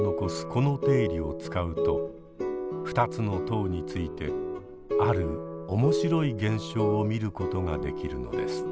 この定理を使うと２つの塔についてある面白い現象を見ることができるのです。